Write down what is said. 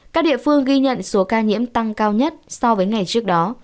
các địa phương ghi nhận số ca nhiễm tăng cao nhất so với ngày trước đó